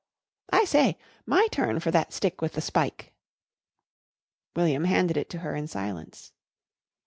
"I say, my turn for that stick with the spike." William handed it to her in silence.